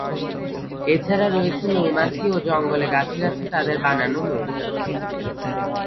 এছাড়া রয়েছে মৌমাছি ও জঙ্গলে গাছে গাছে তাদের বানানো মৌচাক।